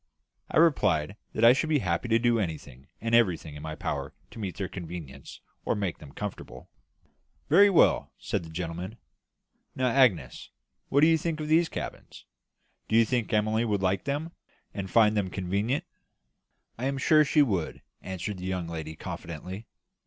I replied that I should be happy to do anything and everything in my power to meet their convenience or make them comfortable. "Very well," said the gentleman. "Now, Agnes, what do you think of these cabins? Do you think Emily would like them, and find them convenient?" "I am sure she would," answered the young lady, confidently.